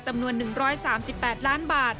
จำนวน๑๓๘ล้านบาท